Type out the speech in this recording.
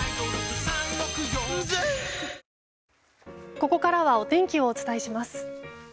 ここからはお天気をお伝えします。